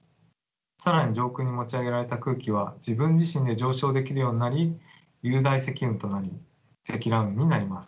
更に上空に持ち上げられた空気は自分自身で上昇できるようになり雄大積雲となり積乱雲になります。